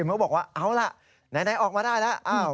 ใช่เขาบอกว่ารุ่นพี่หลายทีมเขาบอกว่าเอาล่ะไหนออกมาได้แล้ว